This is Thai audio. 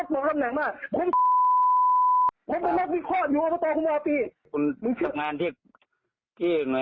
มึงพูดไปถามผู้หญิงบ้านมึงบ้านเหรอ